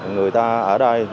người ta ở đây